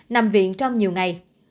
nằm viện trong nhiều ngày